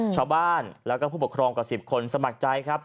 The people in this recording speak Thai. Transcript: ชาวบ้านแล้วก็ผู้ปกครองกว่า๑๐คนสมัครใจครับ